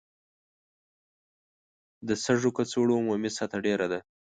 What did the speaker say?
د سږو کڅوړو عمومي سطحه ډېره ده.